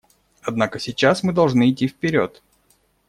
Однако сейчас мы должны идти вперед.